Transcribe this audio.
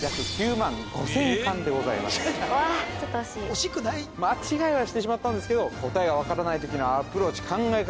正解はわっちょっと惜しい間違いはしてしまったんですけど答えが分からない時のアプローチ考え方